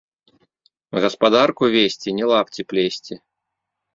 Гаспадарку весці ‒ не лапці плесці